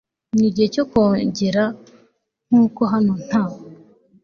ni igihe cyongeye nkuko hano nta